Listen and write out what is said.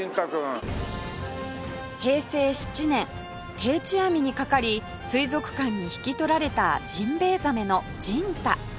平成７年定置網にかかり水族館に引き取られたジンベエザメのジンタ